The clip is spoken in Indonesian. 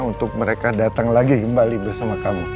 untuk mereka datang lagi kembali bersama kamu